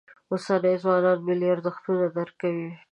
اوسني ځوانان ملي ارزښتونه درک کوي.